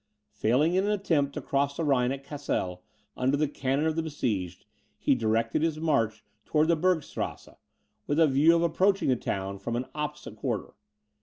Failing in an attempt to cross the Rhine at Cassel, under the cannon of the besieged, he directed his march towards the Bergstrasse, with a view of approaching the town from an opposite quarter.